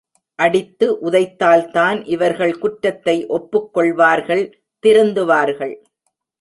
அடித்து உதைத்தால்தான் இவர்கள் குற்றத்தை ஒப்புக்கொள்வார்கள் திருந்துவார்கள்.